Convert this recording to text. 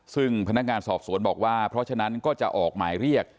ซึ่งพนักงานสอบสวนบอกว่าเพราะฉะนั้นก็จะออกหมายเรียก